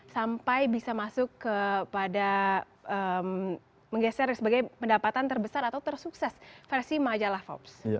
sampai bisa masuk kepada menggeser sebagai pendapatan terbesar atau tersukses versi majalah forbes